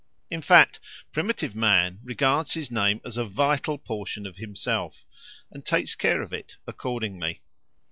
In fact, primitive man regards his name as a vital portion of himself and takes care of it accordingly.